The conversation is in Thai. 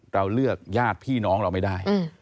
เราเลือกญาติพี่น้องเราไม่ได้